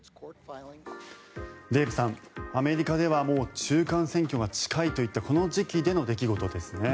デーブさん、アメリカではもう中間選挙が近いといったこの時期での出来事ですね。